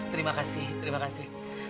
terima kasih terima kasih